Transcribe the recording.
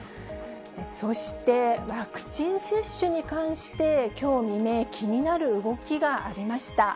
そして、ワクチン接種に関して、きょう未明、気になる動きがありました。